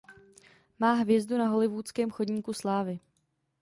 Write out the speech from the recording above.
Má hvězdu na Hollywoodském chodníku slávy.